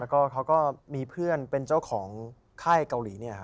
แล้วก็เขาก็มีเพื่อนเป็นเจ้าของค่ายเกาหลีเนี่ยครับ